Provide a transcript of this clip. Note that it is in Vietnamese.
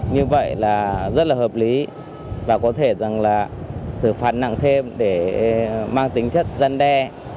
như vậy là rất là hợp lý và có thể rằng là xử phạt nặng thêm để mang tính chất dân đe